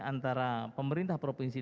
antara pemerintah provinsi